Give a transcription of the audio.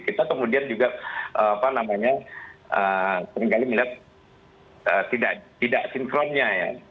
kita kemudian juga seringkali melihat tidak sinkronnya ya